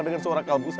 dengan suara kalbu saya